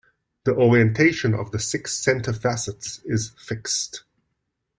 The orientation of the six centre facets is fixed.